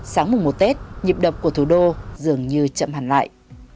sáng mùng một tết nhịp đập của thủ đô dường như chậm hẳn lại